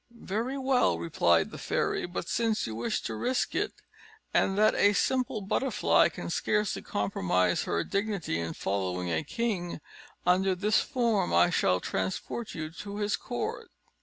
"Very well," replied the fairy. "But since you wish to risk it, and that a simple butterfly can scarcely compromise her dignity in following a king, under this form I shall transport you to his court."